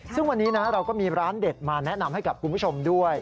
ซึ่งวันนี้นะเราก็มีร้านเด็ดมาแนะนำให้กับคุณผู้ชมด้วย